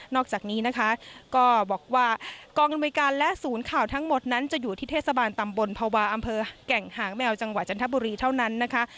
อกจากนี้นะคะก็บอกว่ากองอำนวยการและศูนย์ข่าวทั้งหมดนั้นจะอยู่ที่เทศบาลตำบลภาวะอำเภอแก่งหางแมวจังหวัดจันทบุรีเท่านั้นนะคะ